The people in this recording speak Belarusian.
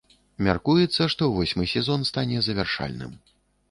Мяркуецца, што восьмы сезон стане завяршальным.